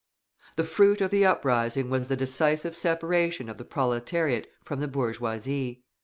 The fruit of the uprising was the decisive separation of the proletariat from the bourgeoisie.